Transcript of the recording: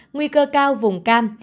nguy cơ cao vùng cam